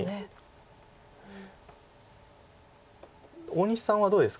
大西さんはどうですか？